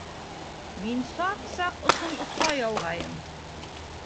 Мин саҡ-саҡ осон-осҡа ялғайым